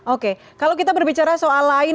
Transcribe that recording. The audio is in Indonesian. oke kalau kita berbicara soal lain